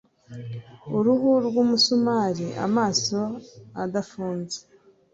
Uruhu nk'umusumari amaso adafunze